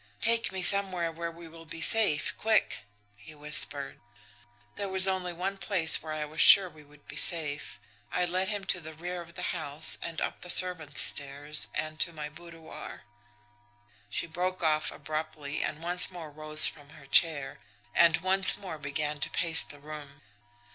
"'Take me somewhere where we will be safe quick!' he whispered. "There was only one place where I was sure we would be safe. I led him to the rear of the house and up the servants' stairs, and to my boudoir." She broke off abruptly, and once more rose from her chair, and once more began to pace the room.